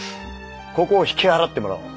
ここを引き払ってもらおう。